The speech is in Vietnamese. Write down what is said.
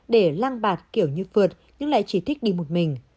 để lang bạc kiểu như phượt nhưng lại chỉ thích đi một mình